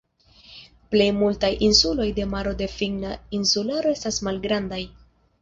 Plej multaj insuloj de Maro de Finna insularo estas malgrandaj.